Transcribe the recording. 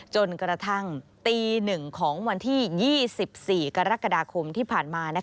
จนกระทั่งตี๑ของวันที่๒๔กรกฎาคมที่ผ่านมา